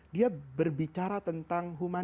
dia berbicara tentang